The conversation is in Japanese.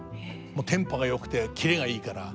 テンポがよくてキレがいいから。